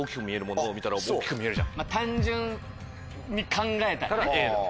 単純に考えたらね。